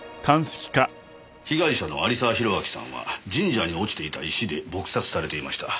被害者の有沢広明さんは神社に落ちていた石で撲殺されていました。